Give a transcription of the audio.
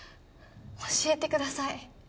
教えてください